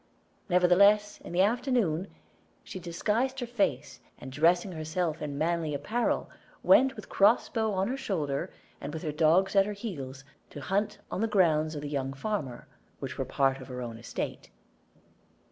Nevertheless, in the afternoon, she disguised her face, and dressing herself in manly apparel, went with cross bow on her shoulder, and with her dogs at her heels, to hunt on the grounds of the young farmer, which were part of her own estate.